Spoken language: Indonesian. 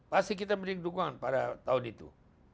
pasti kita berikan dukungan pada tahun itu